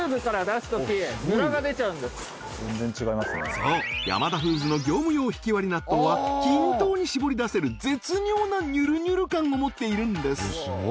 そうヤマダフーズの業務用ひきわり納豆は均等に絞り出せる絶妙なにゅるにゅる感を持っているんです